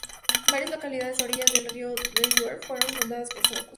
Varias localidades a orillas del río Delaware fueron fundadas por suecos.